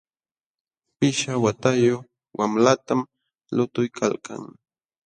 Pishqa watayuq wamlatam lutuykalkan.